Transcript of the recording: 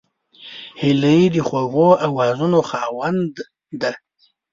هیلۍ د خوږو آوازونو خاوند ده